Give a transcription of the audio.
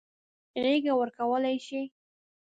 غېږه ورکولای شي.